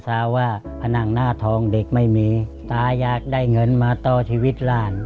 สวัสดีครับ